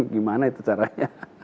gimana itu caranya